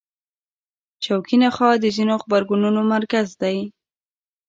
شوکي نخاع د ځینو غبرګونونو مرکز دی.